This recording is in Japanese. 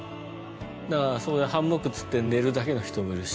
だからそこでハンモックつって寝るだけの人もいるし。